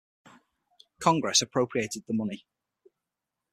Congress appropriated the money.